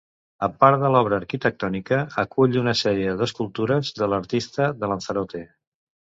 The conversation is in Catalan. A part de l'obra arquitectònica, acull una sèrie d'escultures de l'artista de Lanzarote.